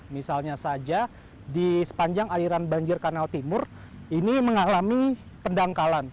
misalnya saja di sepanjang aliran banjir kanal timur ini mengalami pendangkalan